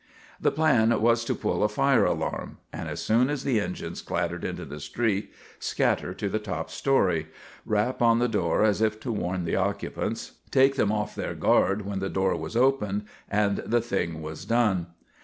The plan was to pull a fire alarm, and as soon as the engines clattered into the street, scatter to the top story, rap on the door as if to warn the occupants, take them off their guard when the door was opened, and the thing was done.